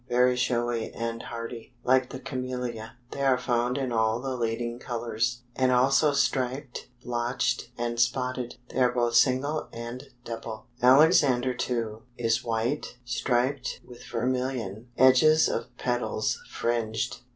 Very showy and hardy. Like the Camellia, they are found in all the leading colors, and also striped, blotched and spotted. They are both single and double. Alexander II, is white, striped with vermilion; edges of petals fringed.